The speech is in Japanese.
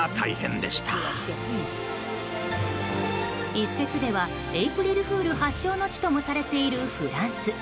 一説ではエイプリルフール発祥の地ともされているフランス。